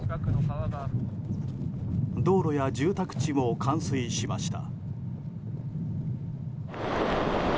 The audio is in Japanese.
道路や住宅地も冠水しました。